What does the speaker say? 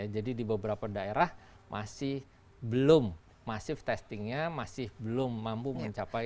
jadi di beberapa daerah masih belum masif testingnya masih belum mampu mencapai